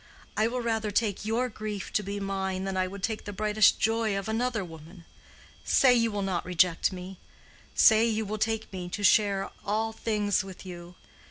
I will rather take your grief to be mine than I would take the brightest joy of another woman. Say you will not reject me—say you will take me to share all things with you.